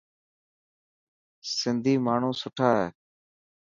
سنڌي ماڻهو سٺا هي.